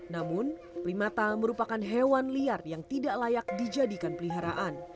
namun primata merupakan hewan liar yang tidak layak dijadikan peliharaan